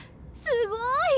すごい！